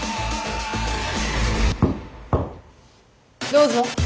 どうぞ。